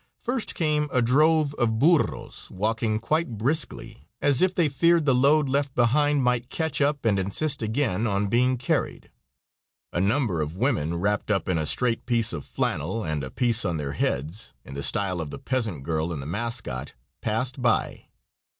First came a drove of burros walking quite briskly, as if they feared the load left behind might catch up and insist again on being carried. A number of women wrapped up in a straight piece of flannel and a piece on their heads in the style of the peasant girl in the "Mascot," passed by.